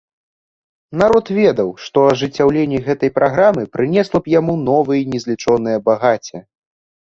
Народ ведаў, што ажыццяўленне гэтай праграмы прынесла б яму новыя незлічоныя багацці.